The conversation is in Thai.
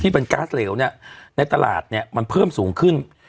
เป็นก๊าซเหลวเนี่ยในตลาดเนี่ยมันเพิ่มสูงขึ้น